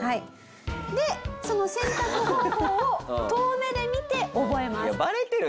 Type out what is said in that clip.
でその洗濯方法を遠目で見て覚えます。